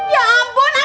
ya ampun akang